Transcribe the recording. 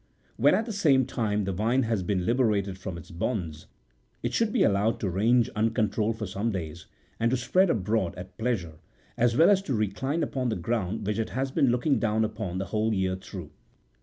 When at any time the vine has been liberated from its bonds, it should be allowed to range uncontrolled for some days, and to spread abroad at pleasure, as well as to recline upon the ground which it has been looking down upon the whole year through.